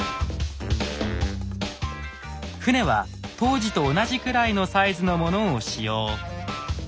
船は当時と同じくらいのサイズのものを使用。